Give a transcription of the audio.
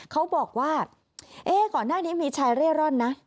เขาบอกว่าก่อนหน้านี้มีชายเร่ร่อนนะ